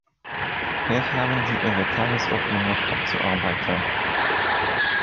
Hier haben Sie Ihre Tagesordnung noch abzuarbeiten.